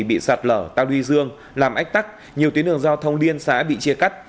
bị sạt lở tạo đi dương làm ách tắc nhiều tuyến đường giao thông liên xã bị chia cắt